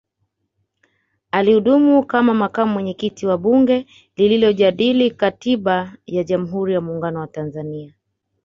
Alihudumu kama Makamu Mwenyekiti wa Bunge lililojadili Katiba ya Jamhuri ya Muungano wa Tanzania